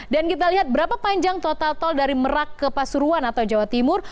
dan kita lihat berapa panjang total tol dari merak ke pasuruan atau jawa timur